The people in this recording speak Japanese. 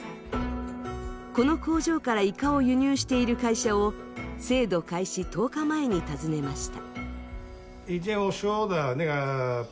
この工場からイカを輸入している会社を、制度開始１０日前に訪ねました。